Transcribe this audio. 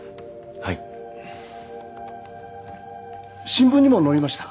はい新聞にも載りました